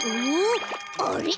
あれ？